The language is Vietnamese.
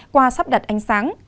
qua sắp đặt ánh sáng